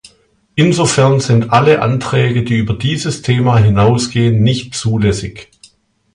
Iinsofern sind alle Anträge, die über dieses Thema hinausgehen, nicht zulässig.